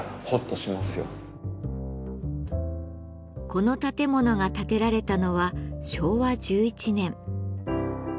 この建物が建てられたのは昭和１１年。